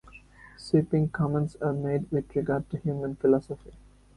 Sweeping comments are made with regard to human philosophy.